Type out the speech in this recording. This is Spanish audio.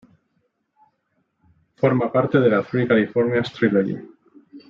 Forma parte de la "Three Californias Trilogy.